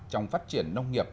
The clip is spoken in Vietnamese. trong phát triển nông nghiệp